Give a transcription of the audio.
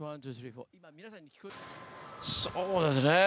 そうですね。